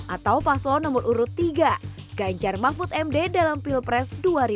atau paslon nomor urut tiga gajar mahfud md dalam pilpres dua ribu dua puluh empat